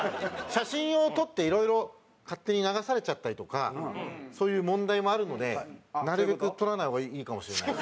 写真を撮っていろいろ勝手に流されちゃったりとかそういう問題もあるのでなるべく撮らない方がいいかもしれない。